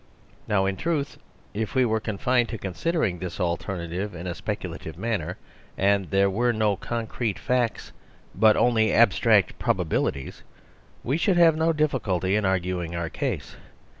Now, in truth, if we were confined to considering this alternative in a speculative manner, if there were no concrete facts but only abstract probabilities, we should have no difficulty in arguing our case.